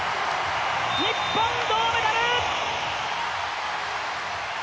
日本銅メダル！